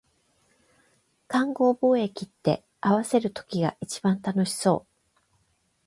勘合貿易って、合わせる時が一番楽しそう